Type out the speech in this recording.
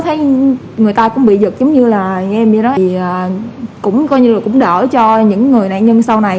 thấy người ta cũng bị giật giống như là nghe vậy đó thì cũng coi như là cũng đỡ cho những người nạn nhân sau này